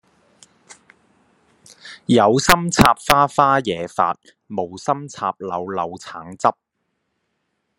有心插花花惹發，無心插柳柳橙汁